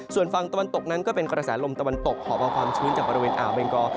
ส่วนฝั่งตะวันตกนั้นก็เป็นกระแสลมตะวันตกหอบเอาความชื้นจากบริเวณอ่าวเบงกอ